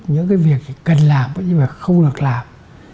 những cái việc chỉ cần làm nhưng mà không được làm